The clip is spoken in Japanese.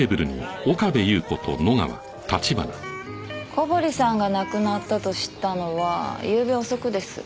小堀さんが亡くなったと知ったのはゆうべ遅くです。